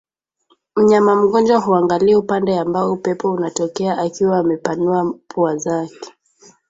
Mnyama mgonjwa huangalia upande ambao upepo unatokea akiwa amepanua pua zake